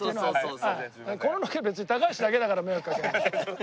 このロケは別に高橋だけだから迷惑かけるの。